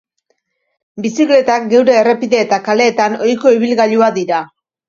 Bizikletak geure errepide eta kaleetan ohiko ibilgailuak dira.